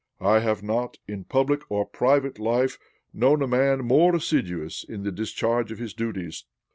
I have not, in public or private life, known a man more assiduous in the discharge of his duties.